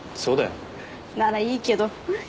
ならいいけど。